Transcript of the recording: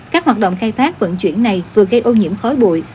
các hoạt động khai thác vận chuyển này vừa gây ô nhiễm khói bụi